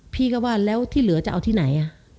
พี่ก็ว่าแล้วที่เหลือจะเอาที่ไหน